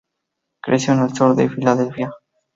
Creció en el sur de Filadelfia.